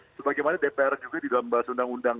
sebagaimana dpr juga di dalam bahasa undang undang